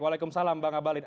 waalaikumsalam bang ngabalin